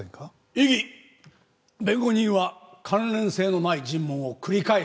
異議！弁護人は関連性のない尋問を繰り返しています。